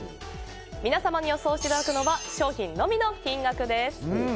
皆様に予想していただくのは商品のみの金額です。